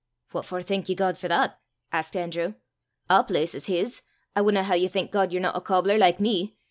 "What for thank ye God for that?" asked Andrew. "A' place is his. I wudna hae ye thank God ye're no a cobbler like me!